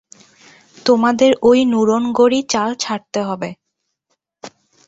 তোমাদের ঐ নুরনগরি চাল ছাড়তে হবে।